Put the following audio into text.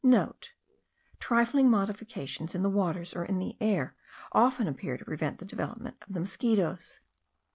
*(* Trifling modifications in the waters, or in the air, often appear to prevent the development of the mosquitos.